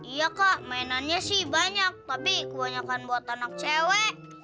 iya kak mainannya sih banyak tapi kebanyakan buat anak cewek